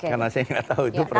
karena saya nggak tahu itu prosesnya